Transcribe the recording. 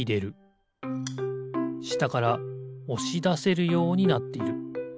したからおしだせるようになっている。